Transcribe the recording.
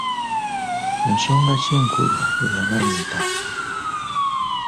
Nsonga ki enkulu eyabaleeta?